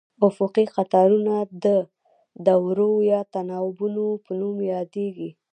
افقي قطارونه د دورو یا تناوبونو په نوم یادیږي.